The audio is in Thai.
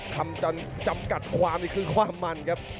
คำจำกัดความนี่คือความมันครับ